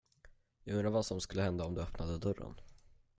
Jag undrar vad som skulle hända om du öppnade dörren.